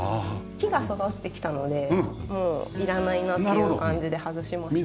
木が育ってきたのでもういらないなっていう感じで外しました。